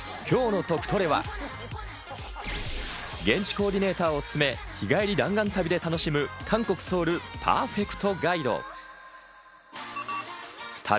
今日のトクトレは、現地コーディネーターおすすめ、日帰り弾丸旅で楽しむ韓国・ソウルパーフェクトガイド。